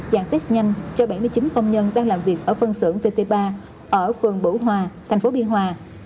và test nhanh cho bảy mươi chín công nhân đang làm việc ở phân xưởng tt ba ở phường bửu hòa tp biên hòa